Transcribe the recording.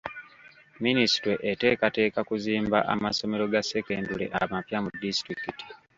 Minisitule eteekateeka kuzimba amasomero ga sekendule amapya mu disitulikiti.